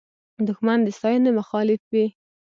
دښمن د ستاینې مخالف وي